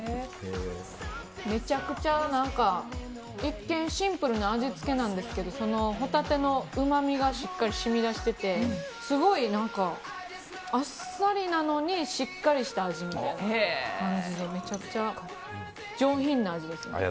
めちゃくちゃ、一見シンプルな味付けなんですけどホタテのうまみがしっかり染みだしててすごいあっさりなのにしっかりした味みたいな感じでめちゃくちゃ上品な味です。